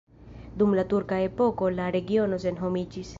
Dum la turka epoko la regiono senhomiĝis.